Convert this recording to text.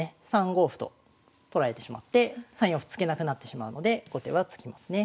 ３五歩と取られてしまって３四歩突けなくなってしまうので後手は突きますね。